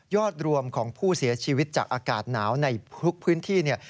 ยอดรวมของผู้เสียชีวิตจากอากาศหนาวในพวกพื้นที่